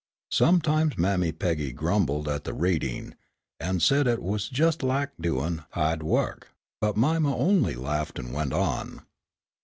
Sometimes Mammy Peggy grumbled at the reading, and said it "wuz jes' lak' doin' hiahed wo'k," but Mima only laughed and went on.